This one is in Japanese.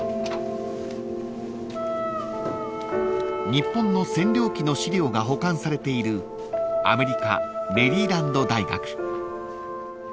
［日本の占領期の資料が保管されているアメリカメリーランド大学］